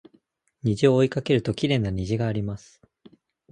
虹を追いかけるときれいな虹があります